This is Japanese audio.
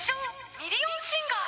ミリオンシンガー